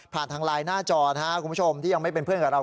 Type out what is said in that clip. ทางไลน์หน้าจอนะครับคุณผู้ชมที่ยังไม่เป็นเพื่อนกับเรา